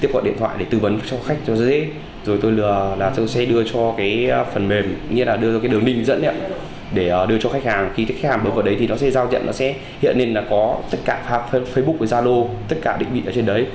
khi khách hàng bước vào đó nó sẽ hiện nên có tất cả facebook gia lô tất cả định vị ở trên đấy